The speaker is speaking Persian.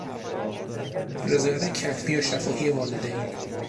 رضایت کتبی یا شفاهی والدین...